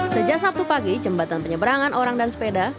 sejak sabtu pagi jembatan penyeberangan orang dan sepeda